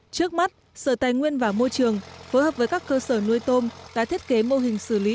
trước mắt sở tài nguyên và môi trường phối hợp với các cơ sở nuôi tôm đã thiết kế mô hình xử lý